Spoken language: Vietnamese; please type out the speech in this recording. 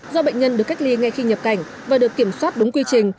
do bệnh nhân được cách ly ngay khi nhập cảnh và được kiểm soát đúng quy trình